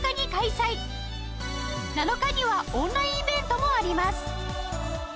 ７日にはオンラインイベントもあります